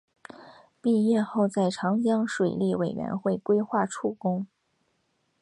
毕业后在长江水利委员会规划处工。